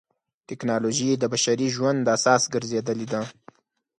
ټکنالوجي د بشري ژوند اساس ګرځېدلې ده.